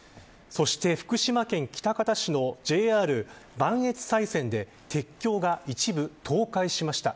そして福島県喜多方市のＪＲ磐越西線で鉄橋が一部倒壊しました。